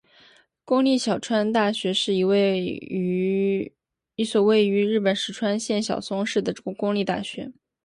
公立小松大学是一所位于日本石川县小松市的公立大学。